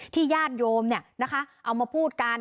ญาติโยมเอามาพูดกัน